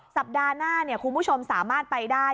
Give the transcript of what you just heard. สัปดาห์หน้าคุณผู้ชมสามารถไปได้